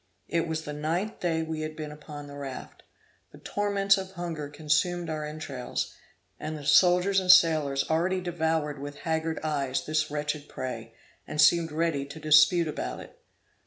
It was the ninth day we had been upon the raft; the torments of hunger consumed our entrails; and the soldiers and sailors already devoured with haggard eyes this wretched prey, and seemed ready to dispute about it.